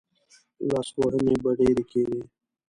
لاسوهنې به ډېرې کېدې.